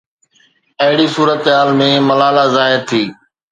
اهڙي صورتحال ۾ ملالا ظاهر ٿي.